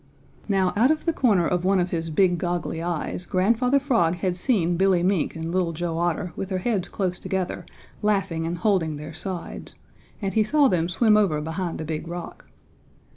Now, out of the corner of one of his big goggly eyes, Grandfather Frog had seen Billy Mink and Little Joe Otter with their heads close together, laughing and holding their sides, and he saw them swim over behind the Big Rock.